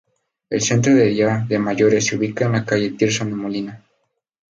El centro de día de mayores se ubica en la calle Tirso de Molina.